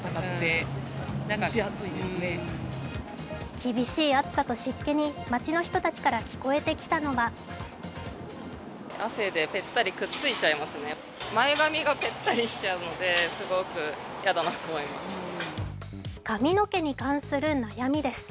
厳しい暑さと湿気に街の人たちから聞こえてきたのは髪の毛に関する悩みです。